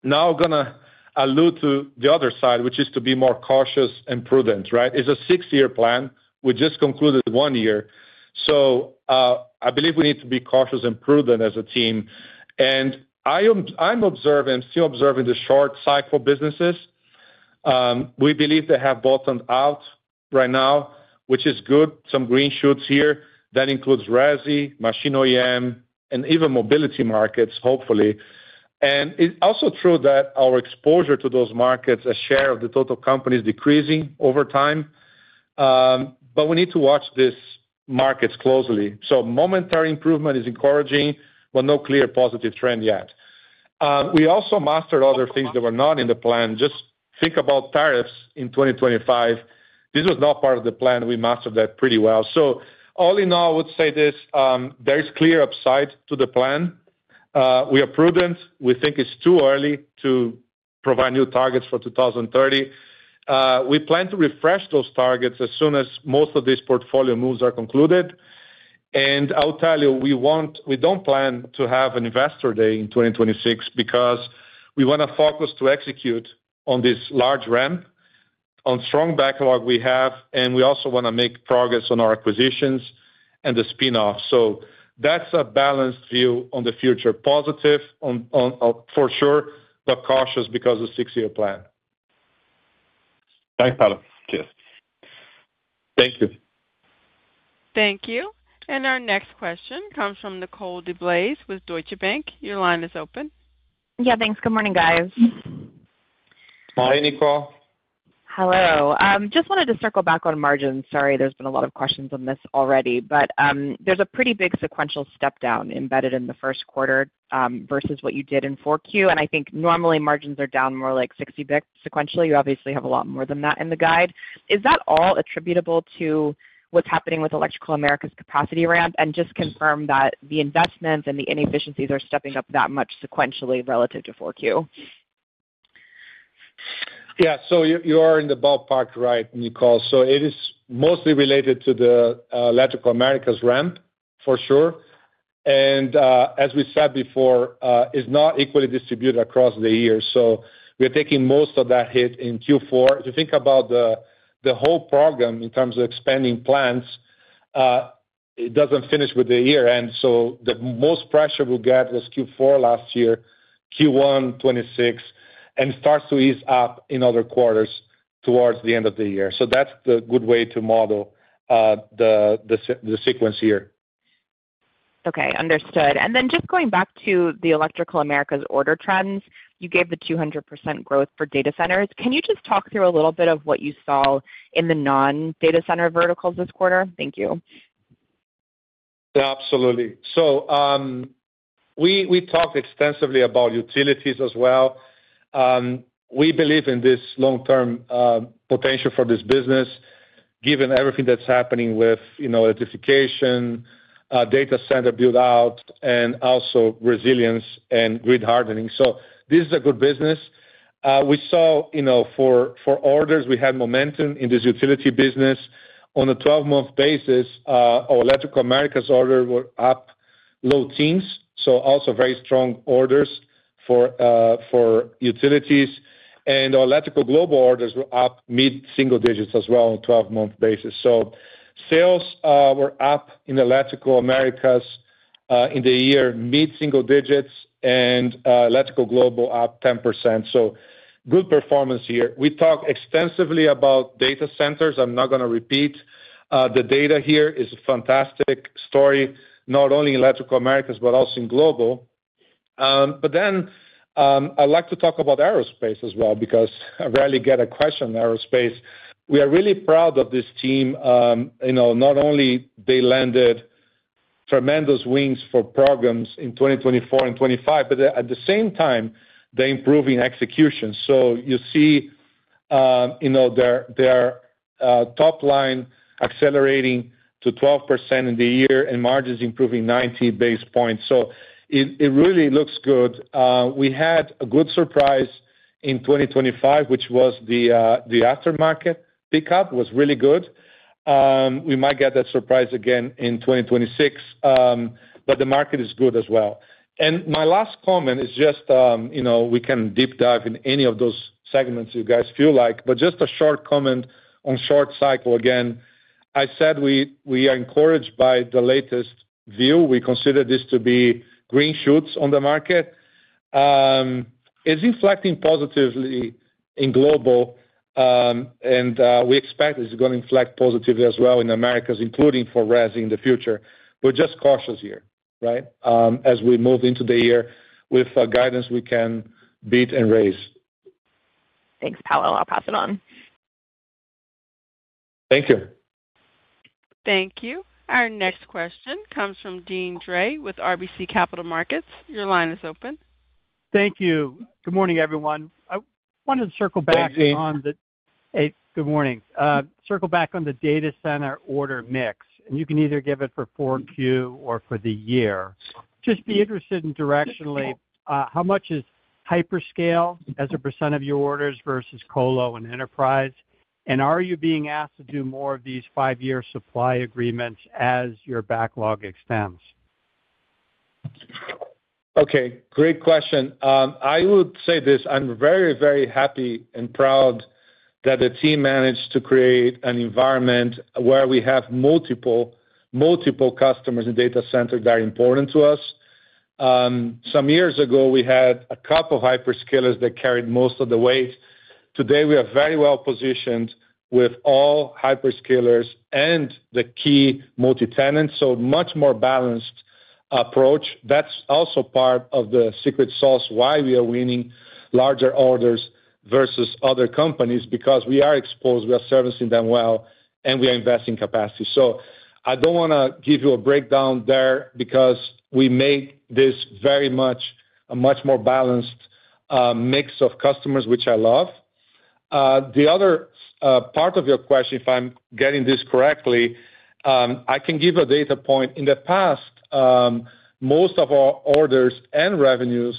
Now I'm going to allude to the other side, which is to be more cautious and prudent, right? It's a six-year plan. We just concluded one year. So I believe we need to be cautious and prudent as a team. And I'm observing and still observing the short cycle businesses. We believe they have bottomed out right now, which is good. Some green shoots here. That includes Resi, Machine OEM, and even Mobility markets, hopefully. And it's also true that our exposure to those markets, a share of the total companies, is decreasing over time. But we need to watch these markets closely. So momentary improvement is encouraging, but no clear positive trend yet. We also mastered other things that were not in the plan. Just think about tariffs in 2025. This was not part of the plan. We mastered that pretty well. So all in all, I would say this. There is clear upside to the plan. We are prudent. We think it's too early to provide new targets for 2030. We plan to refresh those targets as soon as most of these portfolio moves are concluded. I will tell you, we don't plan to have an investor day in 2026 because we want to focus to execute on this large ramp, on strong backlog we have. We also want to make progress on our acquisitions and the spinoff. That's a balanced view on the future, positive for sure, but cautious because of the six-year plan. Thanks, Paulo. Cheers. Thank you. Thank you. And our next question comes from Nicole DeBlase with Deutsche Bank. Your line is open. Yeah, thanks. Good morning, guys. Hi, Nicole. Hello. Just wanted to circle back on margins. Sorry, there's been a lot of questions on this already. But there's a pretty big sequential stepdown embedded in the first quarter versus what you did in 4Q. And I think normally, margins are down more like 60 basis points sequentially. You obviously have a lot more than that in the guide. Is that all attributable to what's happening with Electrical Americas' capacity ramp? And just confirm that the investments and the inefficiencies are stepping up that much sequentially relative to 4Q. Yeah. So you are in the ballpark right, Nicole. So it is mostly related to the Electrical Americas' ramp, for sure. And as we said before, it's not equally distributed across the year. So we are taking most of that hit in Q4. If you think about the whole program in terms of expanding plants, it doesn't finish with the year-end. So the most pressure we'll get was Q4 last year, Q1 2026, and starts to ease up in other quarters towards the end of the year. So that's the good way to model the sequence here. Okay. Understood. And then just going back to the Electrical Americas order trends, you gave the 200% growth for data centers. Can you just talk through a little bit of what you saw in the non-data center verticals this quarter? Thank you. Yeah, absolutely. So we talked extensively about utilities as well. We believe in this long-term potential for this business given everything that's happening with electrification, data center build-out, and also resilience and grid hardening. So this is a good business. We saw for orders, we had momentum in this utility business. On a 12-month basis, our Electrical Americas orders were up low teens. So also very strong orders for utilities. And our Electrical Global orders were up mid-single digits as well on a 12-month basis. So sales were up in Electrical Americas in the year, mid-single digits, and Electrical Global up 10%. So good performance here. We talked extensively about data centers. I'm not going to repeat. The data here is a fantastic story, not only in Electrical Americas but also in global. But then I'd like to talk about Aerospace as well because I rarely get a question in Aerospace. We are really proud of this team. Not only did they land tremendous wings for programs in 2024 and 2025, but at the same time, they improved in execution. So you see their top-line accelerating to 12% in the year and margins improving 90 basis points. So it really looks good. We had a good surprise in 2025, which was the aftermarket pickup was really good. We might get that surprise again in 2026. But the market is good as well. And my last comment is just we can deep dive in any of those segments you guys feel like. But just a short comment on short cycle again. I said we are encouraged by the latest view. We consider this to be green shoots on the market. It's inflecting positively in Global. We expect it's going to inflect positively as well in Americas, including for Resi in the future. We're just cautious here, right, as we move into the year. With guidance, we can beat and raise. Thanks, Paulo. I'll pass it on. Thank you. Thank you. Our next question comes from Deane Dray with RBC Capital Markets. Your line is open. Thank you. Good morning, everyone. I wanted to circle back on the. Hey, Deane. Hey, good morning. Circle back on the data center order mix. You can either give it for 4Q or for the year. Just be interested in directionally, how much is hyperscale as a percentage of your orders versus colo and enterprise? Are you being asked to do more of these five-year supply agreements as your backlog extends? Okay. Great question. I would say this. I'm very, very happy and proud that the team managed to create an environment where we have multiple customers in data center that are important to us. Some years ago, we had a couple of hyperscalers that carried most of the weight. Today, we are very well positioned with all hyperscalers and the key multi-tenants. So much more balanced approach. That's also part of the secret sauce why we are winning larger orders versus other companies because we are exposed. We are servicing them well. And we are investing capacity. So I don't want to give you a breakdown there because we made this very much a much more balanced mix of customers, which I love. The other part of your question, if I'm getting this correctly, I can give a data point. In the past, most of our orders and revenues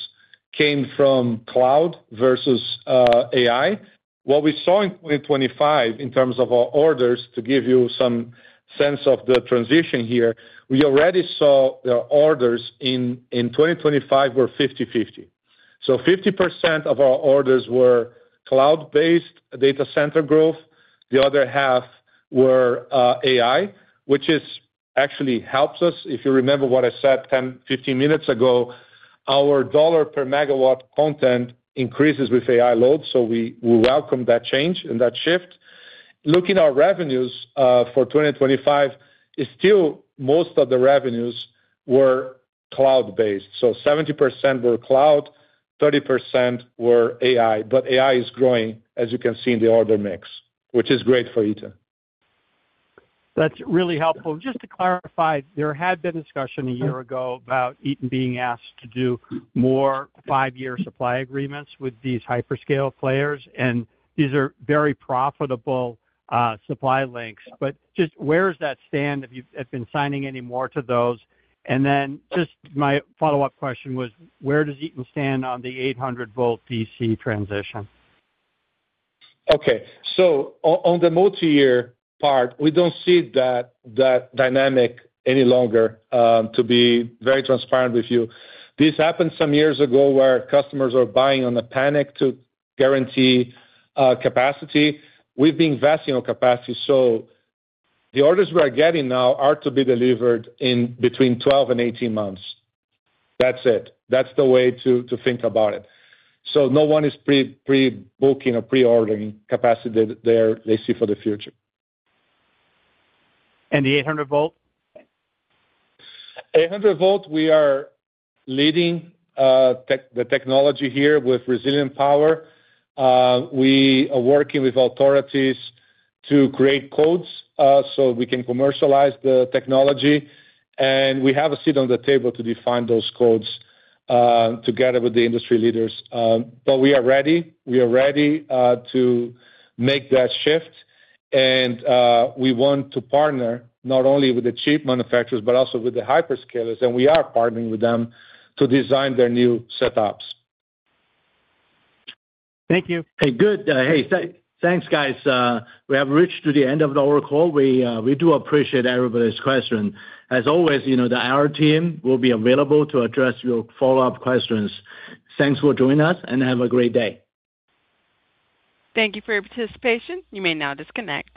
came from cloud versus AI. What we saw in 2025 in terms of our orders, to give you some sense of the transition here, we already saw the orders in 2025 were 50/50. So 50% of our orders were cloud-based data center growth. The other half were AI, which actually helps us. If you remember what I said 10, 15 minutes ago, our dollar per megawatt content increases with AI load. So we welcome that change and that shift. Looking at our revenues for 2025, still, most of the revenues were cloud-based. So 70% were cloud, 30% were AI. But AI is growing, as you can see in the order mix, which is great for Eaton. That's really helpful. Just to clarify, there had been discussion a year ago about Eaton being asked to do more five-year supply agreements with these hyperscalers. These are very profitable supply links. Just where does that stand if you've been signing any more to those? Then just my follow-up question was, where does Eaton stand on the 800V DC transition? Okay. So on the multi-year part, we don't see that dynamic any longer. To be very transparent with you, this happened some years ago where customers were buying on a panic to guarantee capacity. We've been investing on capacity. So the orders we are getting now are to be delivered in between 12-18 months. That's it. That's the way to think about it. So no one is pre-booking or pre-ordering capacity that they see for the future. The 800V? 800V, we are leading the technology here with Resilient Power. We are working with authorities to create codes so we can commercialize the technology. We have a seat on the table to define those codes together with the industry leaders. But we are ready. We are ready to make that shift. We want to partner not only with the chip manufacturers but also with the hyperscalers. We are partnering with them to design their new setups. Thank you. Hey, good. Hey, thanks, guys. We have reached to the end of the hour call. We do appreciate everybody's question. As always, our team will be available to address your follow-up questions. Thanks for joining us, and have a great day. Thank you for your participation. You may now disconnect.